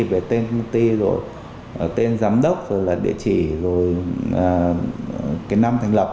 về tên công ty tên giám đốc địa chỉ năm thành lập